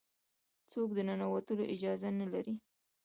څوک د ننوتلو اجازه نه لري.